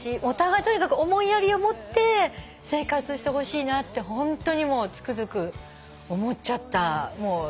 お互いとにかく思いやりを持って生活してほしいなってホントにつくづく思っちゃった。